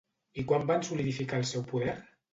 I quan van solidificar el seu poder?